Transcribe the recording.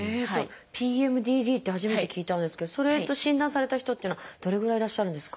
ＰＭＤＤって初めて聞いたんですけどそれと診断された人っていうのはどれぐらいいらっしゃるんですか？